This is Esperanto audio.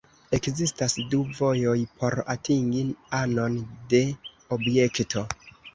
Ekzistas du vojoj por atingi anon de objekto.